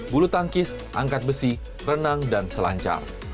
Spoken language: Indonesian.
bulu tangkis angkat besi renang dan selancar